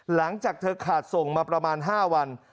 หลังจากเธอขาดส่งมาประมาณ๕วัน